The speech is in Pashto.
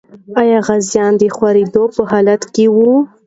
آیا غازیان د خورېدو په حال کې وو؟